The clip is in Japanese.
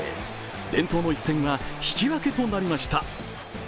伝統の一戦は引き分けとなりました。